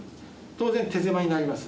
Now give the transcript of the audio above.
当然手狭になります。